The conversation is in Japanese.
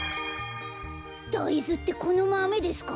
だいずってこのマメですか？